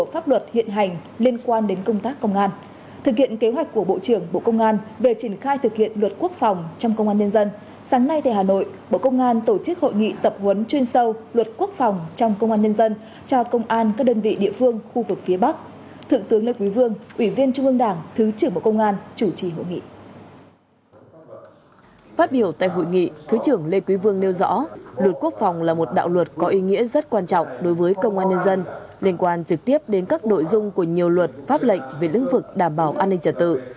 phát biểu tại hội nghị thứ trưởng lê quý vương nêu rõ luật quốc phòng là một đạo luật có ý nghĩa rất quan trọng đối với công an nhân dân liên quan trực tiếp đến các nội dung của nhiều luật pháp lệnh về lĩnh vực đảm bảo an ninh trả tự